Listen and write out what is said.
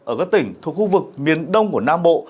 ở các tỉnh thuộc khu vực miền đông của nam bộ